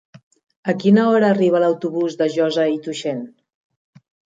A quina hora arriba l'autobús de Josa i Tuixén?